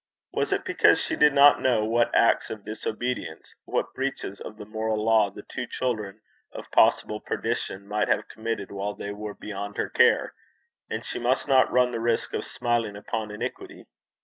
Was it because she did not know what acts of disobedience, what breaches of the moral law, the two children of possible perdition might have committed while they were beyond her care, and she must not run the risk of smiling upon iniquity?